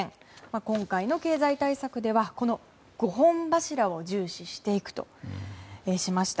今回の経済対策ではこの５本柱を重視していくとしました。